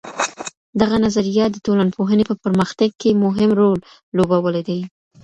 دغه نظريه د ټولنپوهنې په پرمختګ کي مهم رول لوبولی دی.